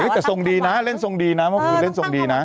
แต่ทรงดีนะเล่นทรงดีนะเมื่อคืนเล่นทรงดีนะ